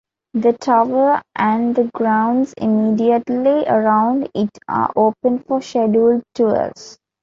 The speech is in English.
The tower and the grounds immediately around it are open for scheduled tours.